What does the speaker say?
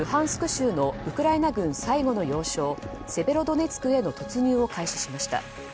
州のウクライナ軍最後の要衝セベロドネツクへの突入を開始しました。